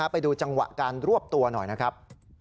ไปดูจังหวะการรวบตัวหน่อยนะครับ